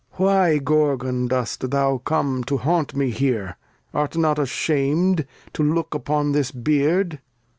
Why, Gorgon, dost thou come to hunt me here ? Art not asham'd to look upon this Beard